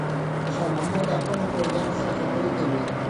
شاه محمود د خپلو پوځیانو سره خبرې کوي.